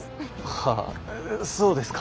はぁそうですか。